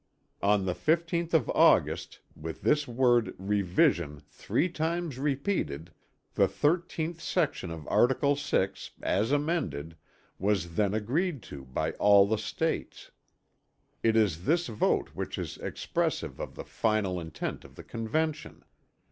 On the 15th of August, with this word revision three times repeated, 'The thirteenth section of article 6, as amended, was then agreed to' by all the States. It is this vote which is expressive of the final intent of the Convention.